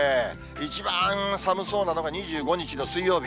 一番寒そうなのが２５日の水曜日。